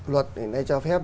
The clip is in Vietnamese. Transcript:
luật hôm nay cho phép